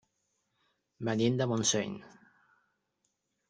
Venim de Montseny.